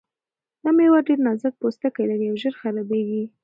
دا مېوه ډېر نازک پوستکی لري او ژر خرابیږي.